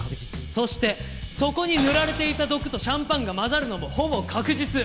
そしてそこに塗られていた毒とシャンパンが混ざるのもほぼ確実！